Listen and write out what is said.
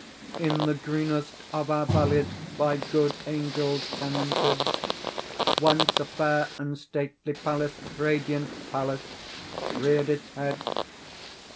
In the greenest of our valleys, By good angels tenanted, Once a fair and stately palace— Radiant palace—reared its head.